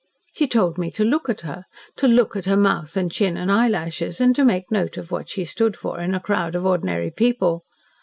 She told me to LOOK at her to LOOK at her mouth and chin and eyelashes and to make note of what she stood for in a crowd of ordinary people.